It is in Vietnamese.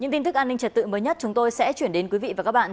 những tin tức an ninh trật tự mới nhất chúng tôi sẽ chuyển đến quý vị và các bạn